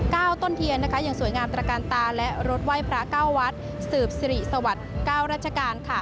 ก้าวต้นเทียนอย่างสวยงามตราการตาและรถไหว้พระเก้าวัดสืบศรีสวรรค์๙ราชกาล